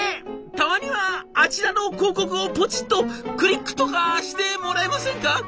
たまにはあちらの広告をポチッとクリックとかしてもらえませんか？」。